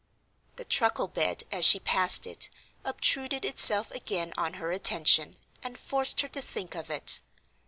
The truckle bed, as she passed it, obtruded itself again on her attention, and forced her to think of it.